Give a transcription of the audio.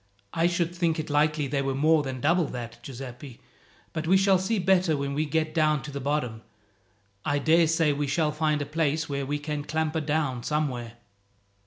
"I should think it likely they were more than double that, Giuseppi; but we shall see better when we get down to the bottom. I daresay we shall find a place where we can clamber down somewhere."